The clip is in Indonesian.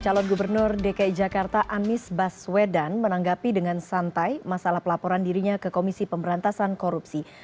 calon gubernur dki jakarta anies baswedan menanggapi dengan santai masalah pelaporan dirinya ke komisi pemberantasan korupsi